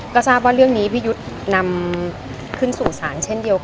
ก็ทราบว่าเรื่องนี้พี่ยุทธ์นำขึ้นสู่ศาลเช่นเดียวกัน